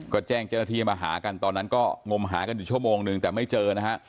ก็แจ้งเจ้าหน้าที่มาหากันตอนนั้นก็งมหากันอยู่ชั่วโมงนึงแต่ไม่เจอนะฮะ